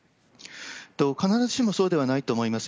必ずしもそうではないと思います。